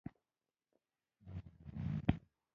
د زړه ناروغیو عوامل باید وپیژندل شي.